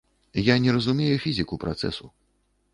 Я не разумею фізіку працэсу.